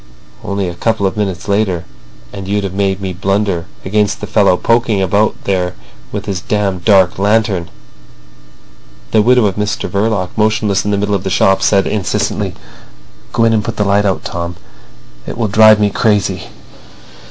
"Only a couple of minutes later and you'd have made me blunder against the fellow poking about here with his damned dark lantern." The widow of Mr Verloc, motionless in the middle of the shop, said insistently: "Go in and put that light out, Tom. It will drive me crazy."